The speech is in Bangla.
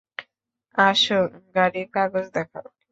আসো, গাড়ির কাগজ দেখাও।